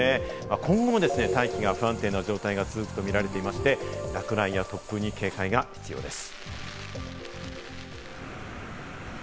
今後、大気が不安定な状態が続くと見られていまして、落雷や突風に警戒が必要です。